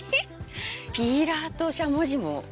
ピーラーとしゃもじも。